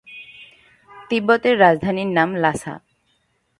তিব্বতের রাজধানীর নাম লাসা।